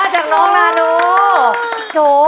จากน้องนาโน